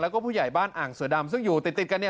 และพูดใหญ่บ้านอ่างเสือดำซึ่งอยู่ติดกัน